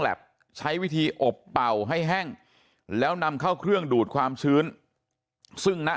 ใช้วิธีอบเป่าให้แห้งแล้วนำเข้าเครื่องดูดความชื้นซึ่งณ